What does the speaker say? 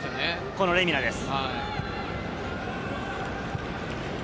このレミナです。